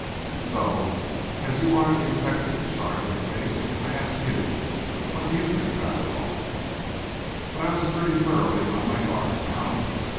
And so, as you are the detective in charge of the case, I ask you, what do you think about it all?" But I was pretty thoroughly on my guard now.